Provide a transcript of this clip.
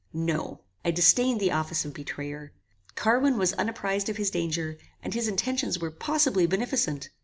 No. I disdained the office of betrayer. Carwin was unapprized of his danger, and his intentions were possibly beneficent.